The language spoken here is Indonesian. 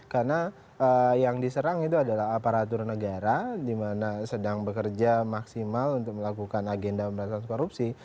karena yang diserang itu adalah aparatur negara di mana sedang bekerja maksimal untuk melakukan agenda pemberantasan korupsi